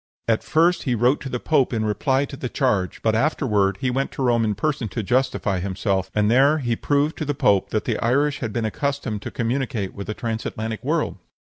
At first he wrote to the pope in reply to the charge, but afterward he went to Rome in person to justify himself, and there he proved to the pope that the Irish had been accustomed to communicate with a transatlantic world."